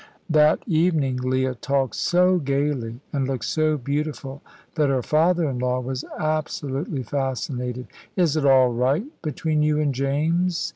That evening Leah talked so gaily, and looked so beautiful, that her father in law was absolutely fascinated. "Is it all right between you and James?"